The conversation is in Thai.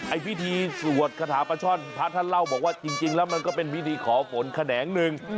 ไอ้พิธีสวดคาถาปลาช่อนพระท่านเล่าบอกว่าจริงแล้วมันก็เป็นพิธีขอฝนแขนงหนึ่ง